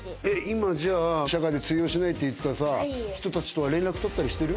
今じゃあ「社会で通用しない」って言った人たちとは連絡取ったりしてる？